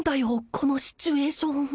このシチュエーション